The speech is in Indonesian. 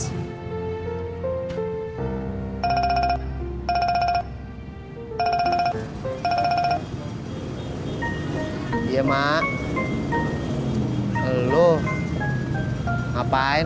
ayo gue anterin ke rumah sakit